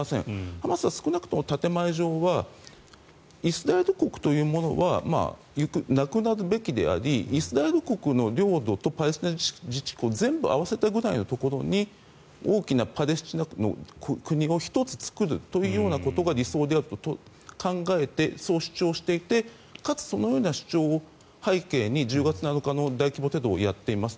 ハマスは少なくとも建前上はイスラエル国というものはなくなるべきでありイスラエル国の領土とパレスチナ自治区を全部合わせたぐらいのところに大きなパレスチナの国を１つ作るというようなことが理想であると考えてそう主張していてかつそのような主張を背景に１０月７日の大規模テロをやっています。